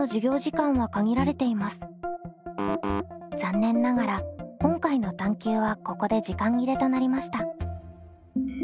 残念ながら今回の探究はここで時間切れとなりました。